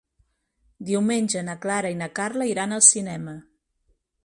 Diumenge na Clara i na Carla iran al cinema.